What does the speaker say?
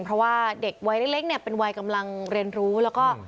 เพราะว่าเด็กวัยเล็กเนี่ยเป็นวัยกำลังเรียนรู้แล้วก็